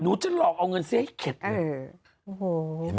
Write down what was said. จะหลอกเอาเงินเสียให้เข็ด